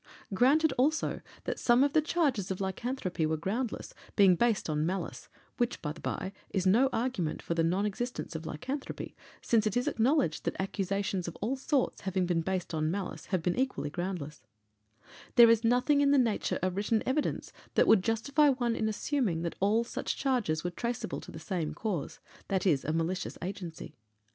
Granted also that some of the charges of lycanthropy were groundless, being based on malice which, by the by, is no argument for the non existence of lycanthropy, since it is acknowledged that accusations of all sorts, having been based on malice, have been equally groundless there is nothing in the nature of written evidence that would justify one in assuming that all such charges were traceable to the same cause, i.e., a malicious agency.